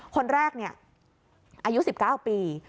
คนแรกเนี่ยอายุ๑๙ปี